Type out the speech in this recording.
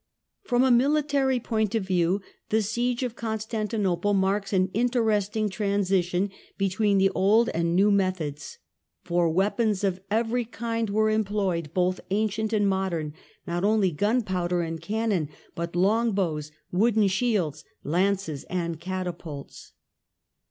From a mihtary point of view, the siege of Constantinople marks an interesting transi tion between the old and the new methods ; for weapons of every kind were employed, both ancient and modern ; not only gunpowder and cannon, but long bows, wooden shields, lances and catapults.